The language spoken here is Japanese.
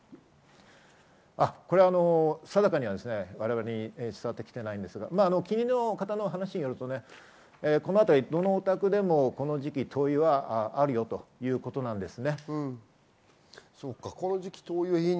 これは我々には伝わってきていないんですけれども、近隣の方の話によると、どのお宅でもこの時期灯油はあるよということなんですね。